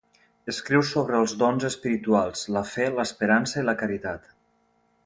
Escriu sobre els dons espirituals, la fe, l'esperança i la caritat.